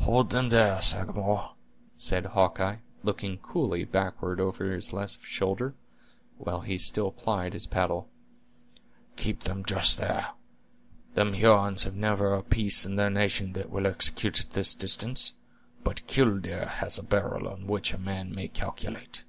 "Hold them there, Sagamore," said Hawkeye, looking coolly backward over this left shoulder, while he still plied his paddle; "keep them just there. Them Hurons have never a piece in their nation that will execute at this distance; but 'killdeer' has a barrel on which a man may calculate."